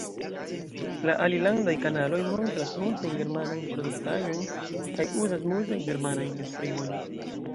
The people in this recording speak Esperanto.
La alilandaj kanaloj montras multajn germanajn produktaĵojn kaj uzas multajn germanajn esprimojn.